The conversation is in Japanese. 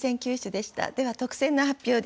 では特選の発表です。